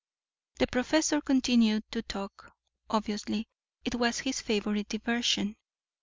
The professor continued to talk. Obviously it was his favorite diversion.